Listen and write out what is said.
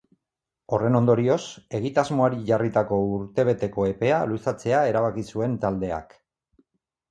Horren ondorioz, egitasmoari jarritako urtebeteko epea luzatzea erabaki zuen taldeak.